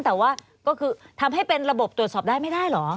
แต่ว่าก็คือทำให้เป็นระบบตรวจสอบได้ไม่ได้เหรอ